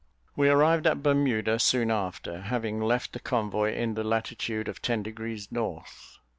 We arrived at Bermuda soon after, having left the convoy in the latitude of ten degrees north.